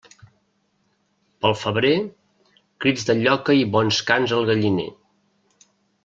Pel febrer, crits de lloca i bons cants al galliner.